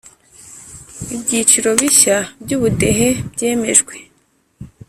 ibyiciro bishya by Ubudehe byemejwe